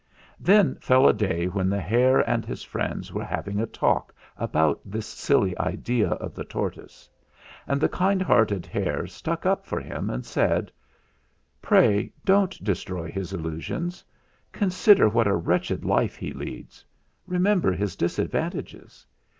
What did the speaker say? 'Then fell a day when the hare and his friends were having a talk about this silly idea of the tortoise; and the kind hearted hare stuck up for him and said : Tray don't destroy his illusions. Consider what a wretched life he leads; remember his disadvantages.